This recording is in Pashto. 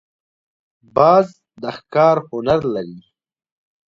باز د ښکار هنر لري